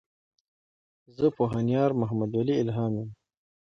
زۀ پوهنيار محمدولي الهام يم.